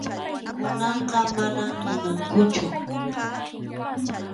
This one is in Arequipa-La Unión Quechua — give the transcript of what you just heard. Kunanqa manam munankuchu.